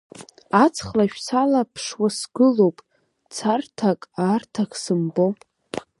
Аҵх-лашә салаԥшуа сгылоуп, царҭак, аарҭак сымбо.